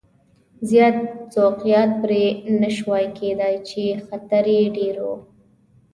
زیات سوقیات پرې نه شوای کېدای چې خطر یې ډېر و.